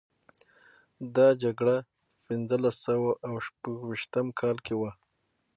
دا جګړه په پنځلس سوه او شپږویشتم کال کې وه.